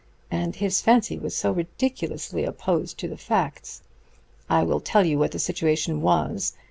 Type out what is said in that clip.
And his fancy was so ridiculously opposed to the facts. I will tell you what the situation was.